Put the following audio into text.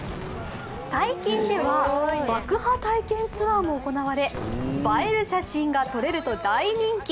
最近では爆破体験ツアーも行われ映える写真が撮れると大人気。